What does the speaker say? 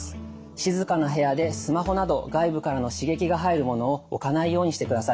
静かな部屋でスマホなど外部からの刺激が入るものを置かないようにしてください。